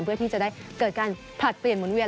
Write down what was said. เพื่อที่จะได้เกิดการผลัดเปลี่ยนหมุนเวีย